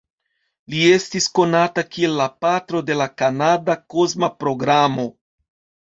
Li estis konata kiel la "Patro de la Kanada Kosma Programo".